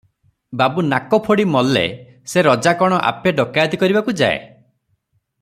ବାବୁ ନାକଫୋଡି ମଲ୍ଲେ-ସେ ରଜା କଣ ଆପେ ଡକାଏତି କରିବାକୁ ଯାଏ?